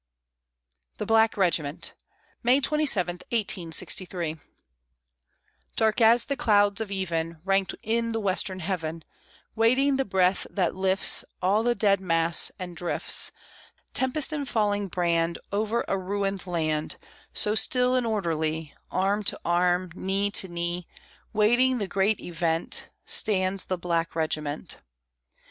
THE BLACK REGIMENT [May 27, 1863] Dark as the clouds of even, Ranked in the western heaven, Waiting the breath that lifts All the dead mass, and drifts Tempest and falling brand Over a ruined land, So still and orderly, Arm to arm, knee to knee, Waiting the great event, Stands the black regiment.